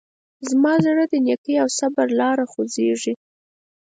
زما زړه د نیکۍ او صبر په لاره خوځېږي.